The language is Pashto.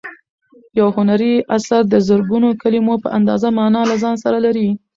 یو هنري اثر د زرګونو کلیمو په اندازه مانا له ځان سره لري.